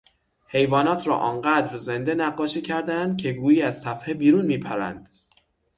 حیوانات را آنقدر زنده نقاشی کردهاند که گویی از صفحه بیرون میپرند.